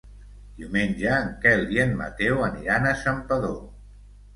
Diumenge en Quel i en Mateu aniran a Santpedor.